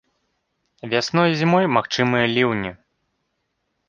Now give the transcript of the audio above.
Вясной і зімой магчымыя ліўні.